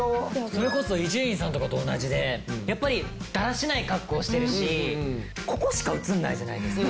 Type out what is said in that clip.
それこそ伊集院さんとかと同じでやっぱりだらしない格好をしてるしここしか映らないじゃないですか。